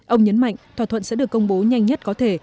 ông nhấn mạnh thỏa thuận sẽ được công bố nhanh nhất có thể